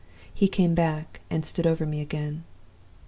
He came back, and stood over me again.